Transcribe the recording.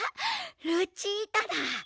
ルチータだ。